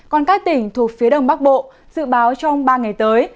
còn các tỉnh thuộc phía đồng bắc bộ dự báo trong ba ngày tối